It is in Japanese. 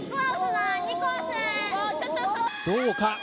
どうか？